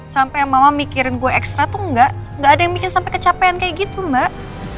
sampai mama mikirin gue ekstra tuh gak ada yang bikin sampai kecapean kayak gitu mbak